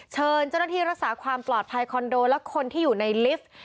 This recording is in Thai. เชิญเจ้าหน้าที่รักษาความปลอดภัยคอนโดและคนที่อยู่ในลิฟต์